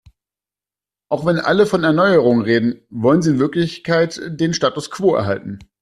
Auch wenn alle von Erneuerung reden, wollen sie in Wirklichkeit den Status quo erhalten.